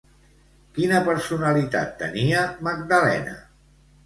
Quina personalitat tenia Magdalena?